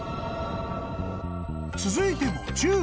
［続いても］